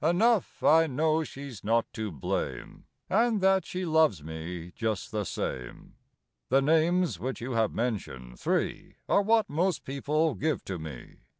Enough, I know she's not to blame. And that she loves me just the same." Copyrighted, 1897 I HE names which you have mentioned, three, what most people give to me."